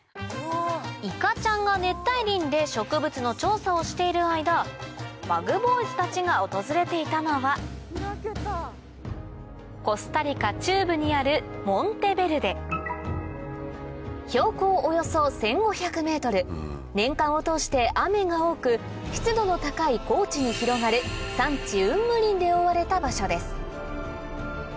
いかちゃんが熱帯林で植物の調査をしている間ＢｕｇＢｏｙｓたちが訪れていたのはコスタリカ中部にあるモンテベルデ年間を通して雨が多く湿度の高い高地に広がるで覆われた場所です